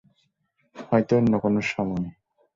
হয়তো অন্য কোনো সময়ে।